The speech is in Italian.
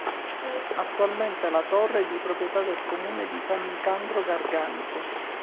Attualmente la torre è di proprietà del comune di San Nicandro Garganico.